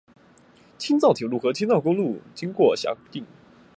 青藏铁路和青藏公路经过辖境。